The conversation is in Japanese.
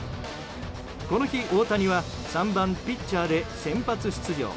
この日、大谷は３番ピッチャーで先発出場。